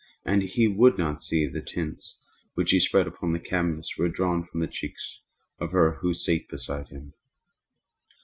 And he would not see that the tints which he spread upon the canvas were drawn from the cheeks of her who sate beside him.